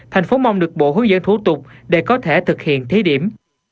thành phố mong được bộ hướng dẫn thủ tục để có thể thực hiện thí điểm